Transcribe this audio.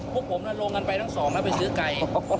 พวกผมลงกันไปทั้งสองแล้วไปซื้อไก่